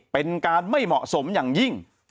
เป็นการไม่เหมาะสมอย่างยิ่ง